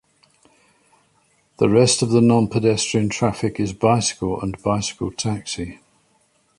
The rest of the non-pedestrian traffic is bicycle and bicycle taxi.